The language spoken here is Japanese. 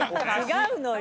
違うのよ。